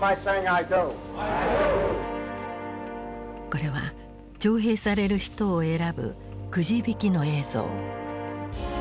これは徴兵される人を選ぶくじ引きの映像。